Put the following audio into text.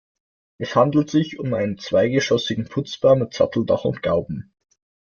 Es handelt sich um einen zweigeschossigen Putzbau mit Satteldach und Gauben.